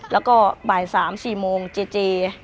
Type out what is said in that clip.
แล้วก็บ่าย๓๔โมงเจเจ